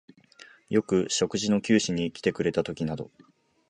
よく食事の給仕にきてくれたときなど、